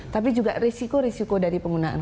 tapi juga risiko risiko dari penggunaan